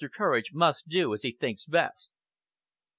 Courage must do as he thinks best."